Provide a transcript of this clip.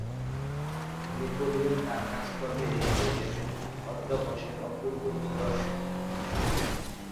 Napoleon তার কাজকর্মে রেখে গেছেন অধ্যবসায়ের অপূর্ব নিদর্শন।